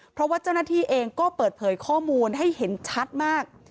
เพราะว่าเจ้าหน้าที่เองก็เปิดเผยข้อมูลให้เห็นชัดมาก